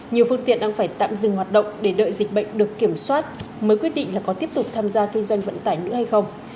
nhiều phương tiện đang phải tạm dừng hoạt động để đợi dịch bệnh được kiểm soát mới quyết định là có tiếp tục tham gia kinh doanh vận tải nữa hay không